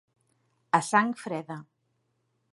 A sang freda.